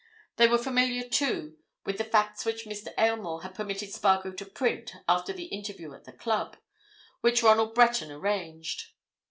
They were familiar, too, with the facts which Mr. Aylmore had permitted Spargo to print after the interview at the club, which Ronald Breton arranged.